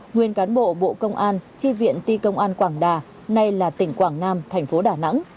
nguyên cán bộ bộ công an tri viện ti công an quảng đà nay là tỉnh quảng nam thành phố đà nẵng